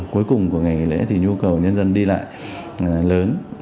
cuối cùng của ngày nghỉ lễ thì nhu cầu nhân dân đi lại lớn